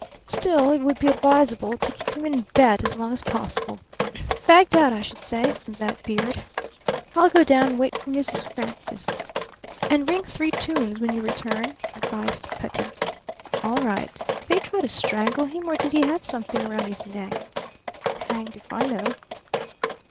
Still, it would be advisable to keep him in bed as long as possible. Fagged out, I should say, from that beard. I'll go down and wait for Miss Frances." "And ring three times when you return," advised Cutty. "All right. Did they try to strangle him or did he have something round his neck?" "Hanged if I know."